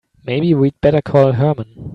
Maybe we'd better call Herman.